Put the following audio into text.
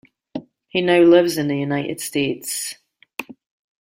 He now lives in the United States.